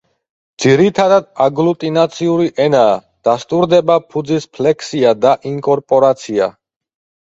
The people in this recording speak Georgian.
ძირითადად აგლუტინაციური ენაა, დასტურდება ფუძის ფლექსია და ინკორპორაცია.